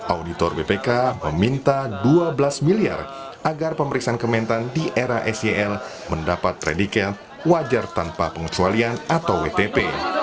auditor bpk meminta dua belas miliar agar pemeriksaan kementan di era sel mendapat prediknya wajar tanpa pengecualian atau wtp